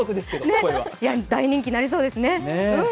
大人気になりそうですね。